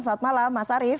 selamat malam mas arief